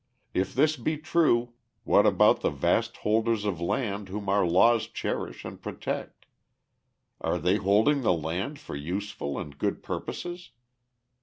If this be true, what about the vast holders of land whom our laws cherish and protect? Are they holding the land for useful and good purposes?